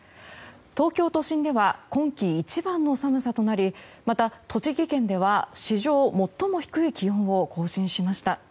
東京都心では今季一番の寒さとなりまた栃木県では史上最も低い気温を更新しました。